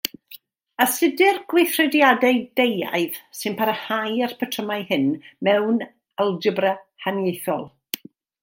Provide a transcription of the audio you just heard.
Astudir gweithrediadau deuaidd sy'n parhau â'r patrymau hyn mewn algebra haniaethol.